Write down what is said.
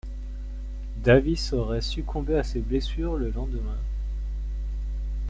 Davis aurait succombé à ses blessures le lendemain.